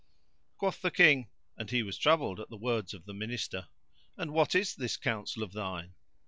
Quoth the King (and he was troubled at the words of the Minister), "And what is this counsel of thine?"